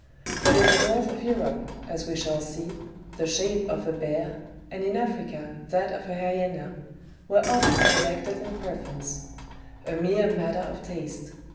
But in the North of Europe, as we shall see, the shape of a bear, and in LYCANTHROPY AMONG THE ANCIENTS. 9 Africa that of a hysena, were often selected in prefer ence. A mere matter of taste